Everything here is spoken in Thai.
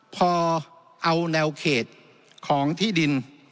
พอเอาแนวเขตของที่ดิน